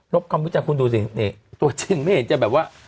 บความรู้จักคุณดูสินี่ตัวจริงไม่เห็นจะแบบว่า